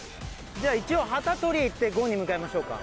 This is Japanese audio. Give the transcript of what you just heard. じゃあ一応旗取りに行って５に向かいましょうか？